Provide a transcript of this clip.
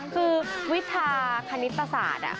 คือวิชาคณิตศาสตร์